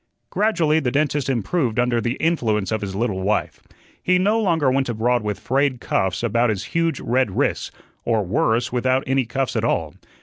Gradually the dentist improved under the influence of his little wife. He no longer went abroad with frayed cuffs about his huge red wrists or worse, without any cuffs at all.